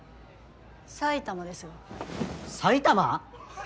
埼玉ですが埼玉！？